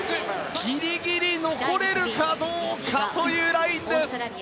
ギリギリ残れるかどうかというラインです。